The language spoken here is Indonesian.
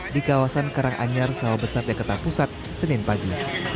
di kawasan keranganyar sawa besar dekatan pusat senin pagi